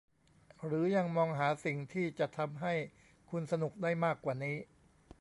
หรือยังมองหาสิ่งที่จะทำให้คุณสนุกได้มากกว่านี้